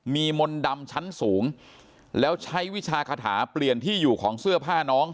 มีมนต์ดำชั้นสูงแล้วใช้วิชาคาถาเปลี่ยนที่อยู่ของเสื้อผ้าน้อง